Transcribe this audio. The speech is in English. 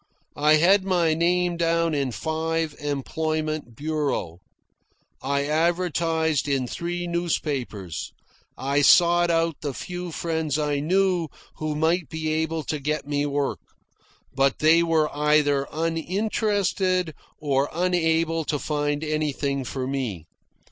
I had my name down in five employment bureaux. I advertised in three newspapers. I sought out the few friends I knew who might be able to get me work; but they were either uninterested or unable to find anything for me.